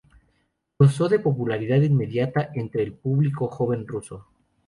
Gozó de popularidad inmediata entre el público joven ruso.